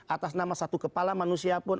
atas nama satu kepala manusia pun